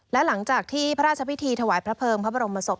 และหลังจากที่พระราชพิธีถวายพระเภิงพระบรมศพ